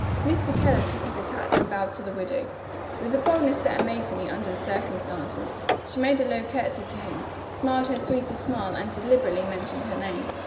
Mr. Keller took off his hat, and bowed to the widow. With a boldness that amazed me, under the circumstances, she made a low curtsey to him, smiled her sweetest smile, and deliberately mentioned her name.